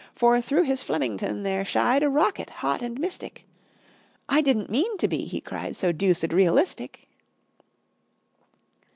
For through his Flemington there shied A rocket, hot and mystic. "I didn't mean to be," he cried, "So deuced realistic!"